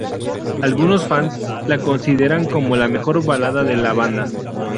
Algunos fans la consideran como la mejor balada de la banda.